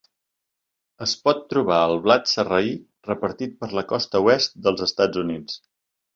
Es pot trobar el blat sarraí repartit per la costa oest dels Estats Units.